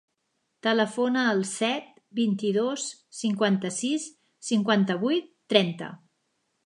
Telefona al set, vint-i-dos, cinquanta-sis, cinquanta-vuit, trenta.